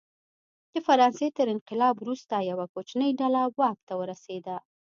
د فرانسې تر انقلاب وروسته یوه کوچنۍ ډله واک ته ورسېده.